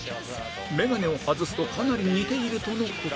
メガネを外すとかなり似ているとの事